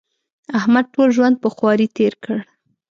احمد ټول ژوند په خواري تېر کړ.